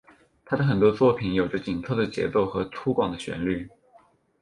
他的很多作品有着紧凑的节奏和粗犷的旋律。